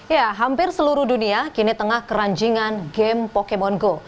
ya hampir seluruh dunia kini tengah keranjingan game pokemon go